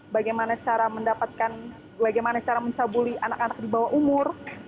bagaimana cara mendapatkan bagaimana cara mencabuli anak anak di bawah umur